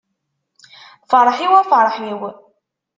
Ferḥ-iw a ferḥ-iw.